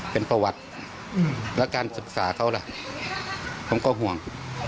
เป็นประวัติแล้วการศึกษาเขาล่ะผมก็ห่วง